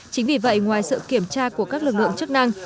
chính vì vậy ngoài sự kiểm tra của các lực lượng chức năng